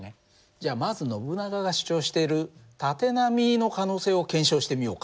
じゃあまずノブナガが主張している縦波の可能性を検証してみようか。